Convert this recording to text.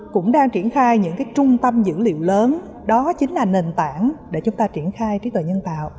cũng đang triển khai những trung tâm dữ liệu lớn đó chính là nền tảng để chúng ta triển khai trí tuệ nhân tạo